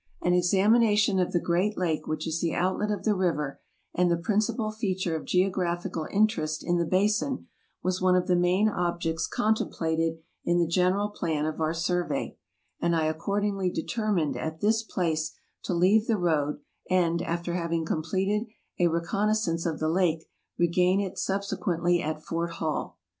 An ex amination of the great lake which is the outlet of the river, and the principal feature of geographical interest in the basin, was one of the main objects contemplated in the general plan of our survey, and I accordingly determined at this place to leave the road, and, after having completed a recon naissance of the lake, regain it subsequently at Fort Hall.